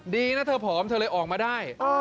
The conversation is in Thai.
ดีนะเธอผอมเธอเลยออกมาได้